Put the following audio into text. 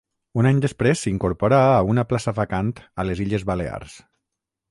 Un any després s'incorporà a una plaça vacant a les Illes Balears.